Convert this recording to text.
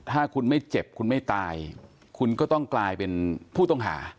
ถ้าคุณไม่เจ็บคุณไม่ตายคุณก็ต้องกลายเป็นผู้ต้องหา